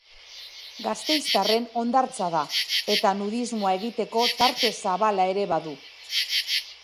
Gasteiztarren hondartza da, eta nudismoa egiteko tarte zabala ere badu.